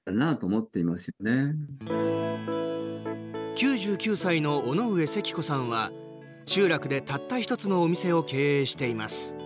９９歳の尾上せき子さんは集落で、たった１つのお店を経営しています。